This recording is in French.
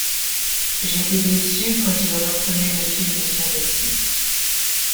J’étais déçu quand il reprenait le fil de son récit.